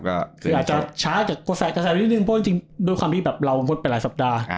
คืออาจจะช้าแต่กระแสกระแสไปนิดนึงเพราะจริงด้วยความที่แบบเรางดไปหลายสัปดาห์